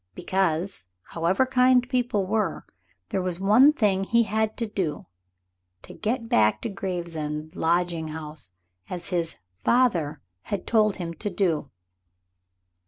Because, however kind people were, there was one thing he had to do to get back to the Gravesend lodging house, as his "father" had told him to do.